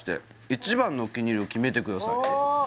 「一番のお気に入りを決めて下さい」